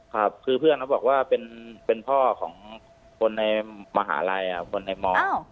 ครับคือเพื่อนเขาบอกว่าเป็นพ่อของคนในมหาลัยคนในม